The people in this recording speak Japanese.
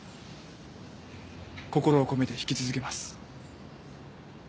心を込めて弾き続けます。